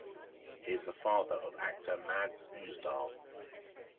He is the father of actor Mads Ousdal.